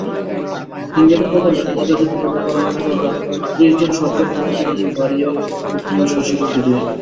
তিনজনের বদলে অযাচিতভাবে পরামর্শদাতা ত্রিশজন সভ্যের কমিটিই যেন গড়িয়া উঠিল শশীকে ঘিরিয়া।